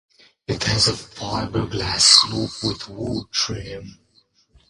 It has a fiberglass sloop with wood trim.